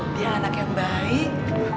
dia anak yang baik